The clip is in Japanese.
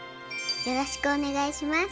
よろしくお願いします。